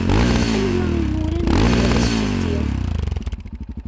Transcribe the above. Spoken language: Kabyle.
Anwa i yuran ungal Askuti?